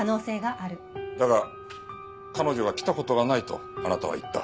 だが彼女は来た事がないとあなたは言った。